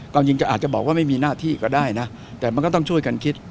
ความจริงก็อาจจะบอกว่าไม่มีหน้าที่ก็ได้นะแต่มันก็ต้องช่วยกันคิด